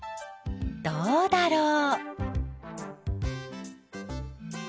どうだろう？